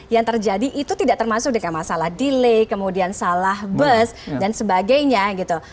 yang terjadi itu tidak termasuk dengan masalah delay kemudian salah bus dan sebagainya gitu